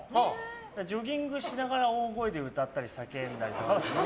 ジョギングしながら大声で歌ったり叫んだりとか。